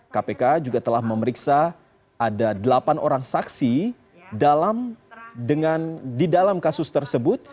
kpk juga telah memeriksa ada delapan orang saksi di dalam kasus tersebut